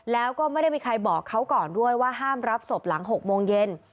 แล้วก็ไม่ได้มีใครบอกเขาก่อนด้วยว่าห้ามรับศพหลัง๖โมงเย็น